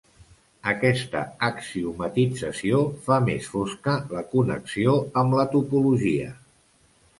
Aquesta axiomatització fa més fosca la connexió amb la topologia.